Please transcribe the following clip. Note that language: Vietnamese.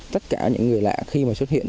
tất cả những người lạ khi mà xuất hiện